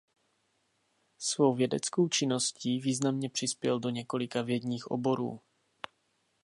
Svou vědeckou činností významně přispěl do několika vědních oborů.